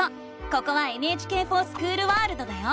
ここは「ＮＨＫｆｏｒＳｃｈｏｏｌワールド」だよ！